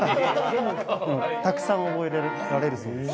たくさん覚えられるそうです。